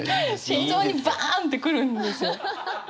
心臓にバーンって来るんですよ。